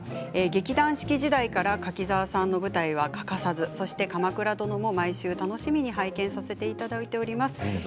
劇団四季時代から柿澤さんの舞台は欠かさずそして「鎌倉殿」も毎週楽しみに拝見させていただいております。